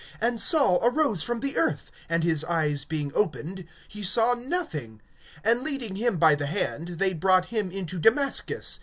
(8)And Saul arose from the earth; and his eyes being opened, he saw nothing; and leading him by the hand, they brought him into Damascus.